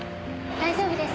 大丈夫です。